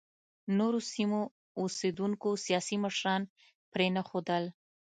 نورو سیمو اوسېدونکو سیاسي مشران پرېنښودل.